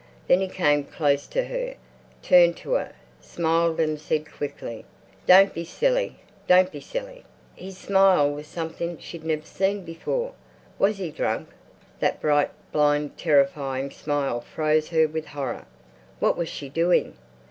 Then he came close to her, turned to her, smiled and said quickly, "Don't be silly! Don't be silly!" His smile was something she'd never seen before. Was he drunk? That bright, blind, terrifying smile froze her with horror. What was she doing?